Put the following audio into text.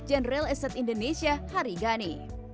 sekjen real asset indonesia hari gani